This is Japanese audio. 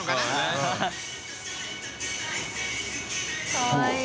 かわいい。